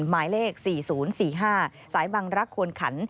หมายเลข๔๐๔๕สายบังรักควนขัน